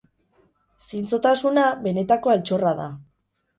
Zintzotasuna benetako altxorra da